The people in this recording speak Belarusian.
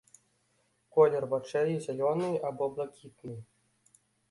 Колер вачэй зялёны або блакітны.